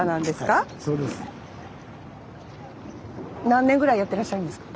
はいそうです。何年ぐらいやってらっしゃるんですか？